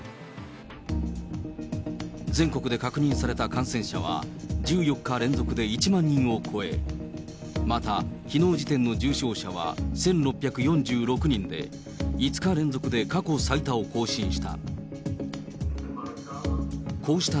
全国で確認された感染者は、１４日連続で１万人を超え、またきのう時点の重症者は１６４６人で、５日連続で過去最多を更新した。